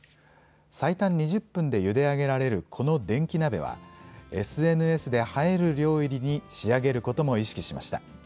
最短２０分でゆであげられるこの電気鍋はＳＮＳで映える料理に仕上げることも意識しました。